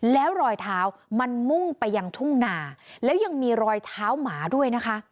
แล้วรอยเท้ามันมุ่งไปยังทุ่งนาแล้วยังมีรอยเท้าหมาด้วยนะคะ